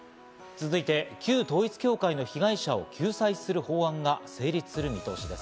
続いて、旧統一教会の被害者を救済する法案が成立する見通しです。